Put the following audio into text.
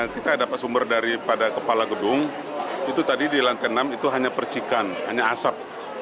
kita dapat sumber daripada kepala gedung itu tadi di lantai enam itu hanya percikan hanya asap